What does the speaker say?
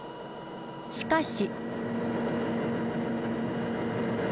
しかし。